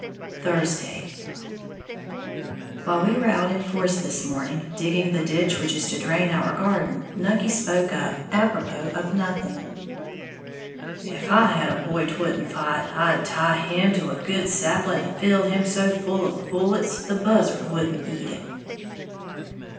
Thursday. While we were out in force this afternoon, digging the ditch which is to drain our garden, Nucky spoke up, apropos of nothing, "'F I had a boy 't wouldn't fight, I'd tie him to a good sapling and fill him so full of bullets the buzzards wouldn't eat him!"